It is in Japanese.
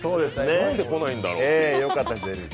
何で来ないんだろうと。